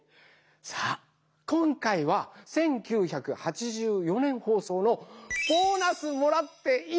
さあ今回は１９８４年ほうそうの「ボーナスもらっていい湯だな」